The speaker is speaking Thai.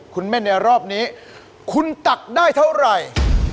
คุณเม่นในรอบนี้คุณตักได้เท่าไหร่